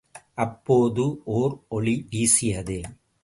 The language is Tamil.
அப்போது ஓர் ஒளி வீசியது!